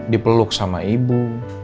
dipeluk sama ibu